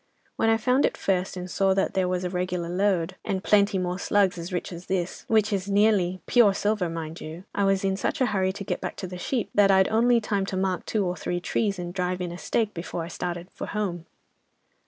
When I found it first and saw that there was a regular lode, and plenty more "slugs" as rich as this, which is nearly pure silver, mind you, I was in such a hurry to get back to the sheep, that I'd only time to mark two or three trees, and drive in a stake, before I started for home.